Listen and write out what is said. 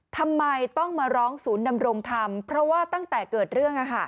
ทำไมต้องมาร้องศูนย์ดำรงธรรมเพราะว่าตั้งแต่เกิดเรื่อง